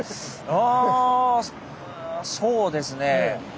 あそうですね。